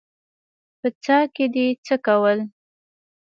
_په څاه کې دې څه کول؟